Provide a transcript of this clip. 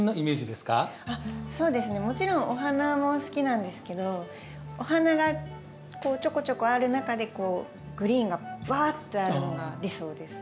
もちろんお花も好きなんですけどお花がちょこちょこある中でこうグリーンがぶわってあるのが理想です。